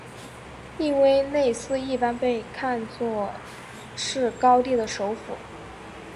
印威内斯一般被看作是高地的首府。